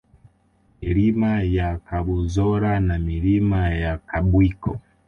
Milima ya Kabuzora na Milima ya Kabwiko